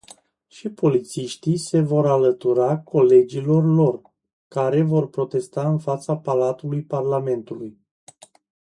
Și polițiștii se vor alătura colegilor lor, care vor protesta în fața Palatului Parlamentului.